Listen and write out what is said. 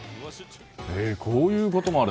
こういうこともある。